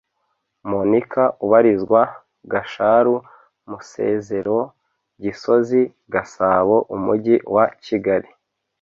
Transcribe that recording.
monika ubarizwa gasharu musezero gisozi gasabo umujyi wa kigali